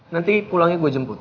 nanti pulangnya gue jemput